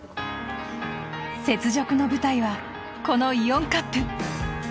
雪辱の舞台はこのイオンカップ。